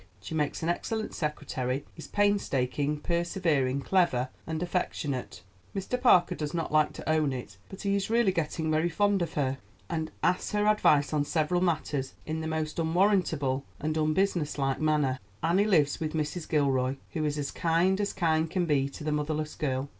She makes an excellent secretary; is painstaking, persevering, clever, and affectionate. Mr. Parker does not like to own it; but he is really getting very fond of her, and actually asks her advice on several matters in the most unwarrantable and unbusinesslike manner. Annie lives with Mrs. Gilroy, who is as kind as kind can be to the motherless girl.